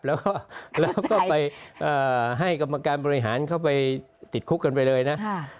แล้วก็ไปให้กรรมการบริหารเข้าไปติดคุกกันไปเลยนะ